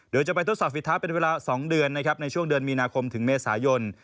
โดยจะไปทดสอบฝีเท้าเป็นเวลา๒เดือนนะครับในช่วงเดือนมีนาคมถึงเมษายน